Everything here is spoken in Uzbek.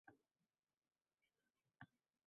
Balki qidirgan insonim Alining o`zidir